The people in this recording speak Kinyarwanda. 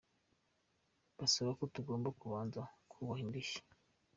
Basaba ko tugomba kubanza kubaha indishyi.